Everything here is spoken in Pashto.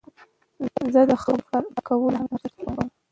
زه د خبرو کولو فرهنګ ته ارزښت ورکوم.